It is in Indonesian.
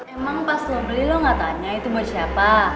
emang pas lo beli lo gak tanya itu buat siapa